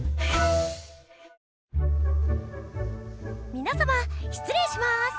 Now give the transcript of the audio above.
皆様失礼します。